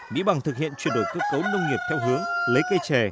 mỹ bằng thực hiện chuyển đổi cơ cấu nông nghiệp theo hướng lấy cây trẻ